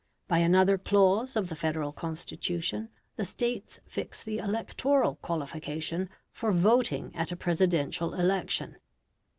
By another clause of the Federal Constitution the States fix the electoral qualification for voting at a Presidential election.